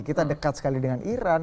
kita dekat sekali dengan iran